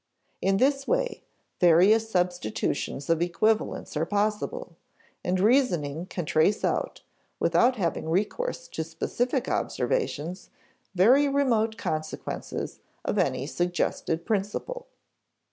In this way, various substitutions of equivalents are possible, and reasoning can trace out, without having recourse to specific observations, very remote consequences of any suggested principle.